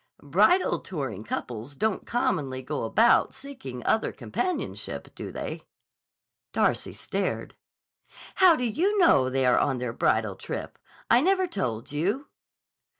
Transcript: "Bridal touring couples don't commonly go about seeking other companionship, do they?" Darcy stared. "How do you know they are on their bridal trip? I never told you."